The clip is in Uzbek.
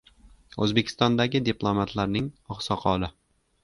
O‘zbekistondagi diplomatlarning oqsoqoli